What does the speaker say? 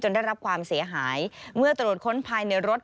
ได้รับความเสียหายเมื่อตรวจค้นภายในรถ